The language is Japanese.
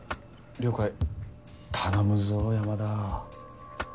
了解頼むぞ山田。